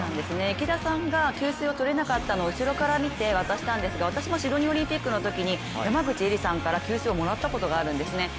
池田さんが給水を取れなかったのを後ろから見て渡したんですが私もシドニーオリンピックのときに給水をもらったことがあるんですね。